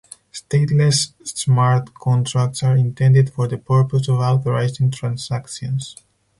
Stateless smart contracts are intended for the purpose of authorizing transactions.